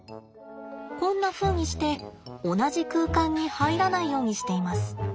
こんなふうにして同じ空間に入らないようにしています。